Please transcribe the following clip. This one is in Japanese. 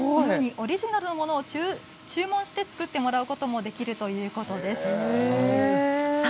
オリジナルのものを注文して作ってもらうこともできるということです。